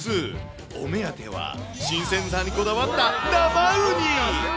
お目当ては新鮮さにこだわった生ウニ。